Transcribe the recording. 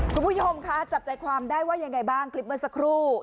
คุณผู้ชมคะจับใจความได้ว่ายังไงบ้างคลิปเมื่อสักครู่